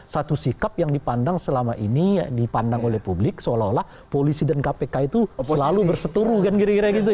satu sikap yang dipandang selama ini dipandang oleh publik seolah olah polisi dan kpk itu selalu berseturu kan kira kira gitu